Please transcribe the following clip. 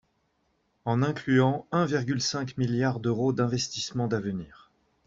En incluant un virgule cinq milliard d’euros d’investissements d’avenir.